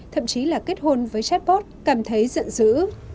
thậm chí là kết hôn với chatbot cảm thấy giận dữ